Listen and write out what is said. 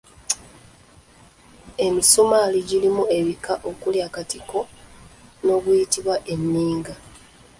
Emisumaali girimu ebika okuli akatiko n'oguyitibwa enninga.